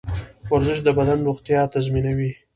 ورزش د بدن روغتیا تضمینوي.